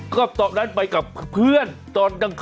ก็แค่นั้นเอง